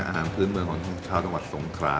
อาหารพื้นเมืองของชาวจังหวัดสงครา